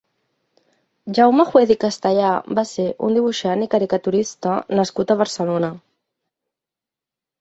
Jaume Juez i Castellà va ser un dibuixant i caricaturista nascut a Barcelona.